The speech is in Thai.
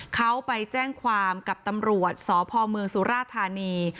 เขาไปแจ้งความกับตำรวจสพเมืองสุราธานี